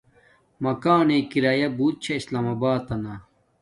مکانݵ کرایا بوت چھا اسلام آباتنا